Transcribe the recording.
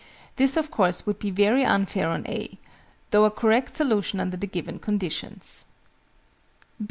This of course would be very unfair on A, though a correct solution under the given conditions.